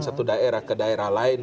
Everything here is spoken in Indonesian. satu daerah ke daerah lain